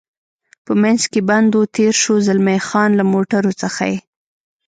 په منځ کې بند و، تېر شو، زلمی خان: له موټرو څخه یې.